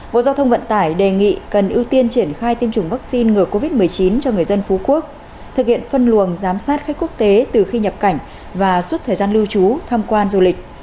bộ giao thông vận tải đề nghị cần ưu tiên triển khai tiêm chủng vaccine ngừa covid một mươi chín cho người dân phú quốc thực hiện phân luồng giám sát khách quốc tế từ khi nhập cảnh và suốt thời gian lưu trú tham quan du lịch